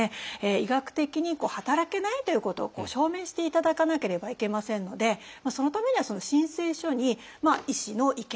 医学的に働けないということを証明していただかなければいけませんのでそのためには申請書に医師の意見書とそういうのを書く欄があります。